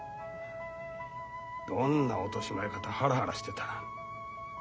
どんな落とし前かとハラハラしてたら。